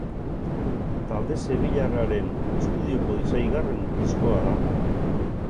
Talde sevillarraren estudioko seigarren diskoa da.